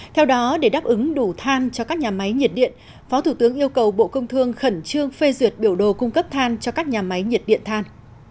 theo đó để đáp ứng đủ than cho các nhà máy nhiệt điện phó thủ tướng yêu cầu bộ công thương khẩn trương phê duyệt biểu đồ cung cấp than cho các nhà máy nhiệt điện than